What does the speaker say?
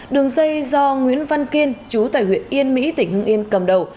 đường dây do nguyễn văn kiên chú tại huyện yên mỹ tỉnh hưng yên cầm đầu